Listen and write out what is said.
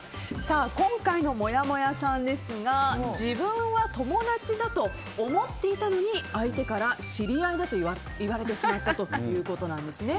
今回のもやもやさんですが自分は友達だと思っていたのに相手から知り合いだといわれてしまったということですね。